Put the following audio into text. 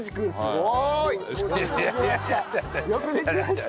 よくできました。